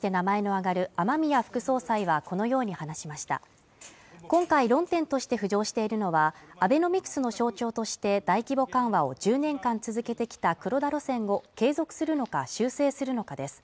挙がる雨宮副総裁はこのように話しました今回論点として浮上しているのはアベノミクスの象徴として大規模緩和を１０年間続けてきた黒田路線を継続するのか修正するのかです